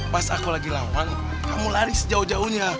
pas aku lagi lawan kamu lari sejauh jauhnya